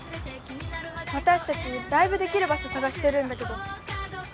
私たちライブできる場所探してるんだけど。